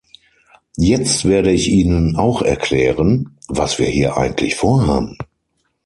Jetzt werde ich Ihnen auch erklären, was wir hier eigentlich vorhaben.